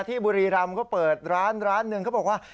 บุรีรำก็เปิดร้านร้านหนึ่งเขาบอกว่า